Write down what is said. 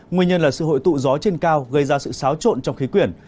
nguyên nhân là sự hội tụ gió trên cao gây ra sự xáo trộn trong khí quyển